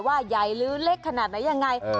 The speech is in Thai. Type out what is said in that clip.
ว่าใหญ่หรือเล็กขนาดนั้นยังไง